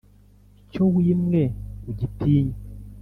icyo wimwe ugitinye”